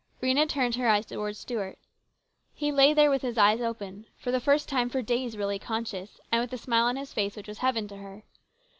Rhena turned her head towards Stuart. He lay there with his eyes open, for the first time for days, really conscious, and with a smile on his face which was heaven to her.